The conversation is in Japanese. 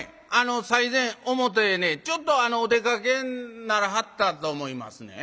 最前表へねちょっとお出かけにならはったと思いますねん。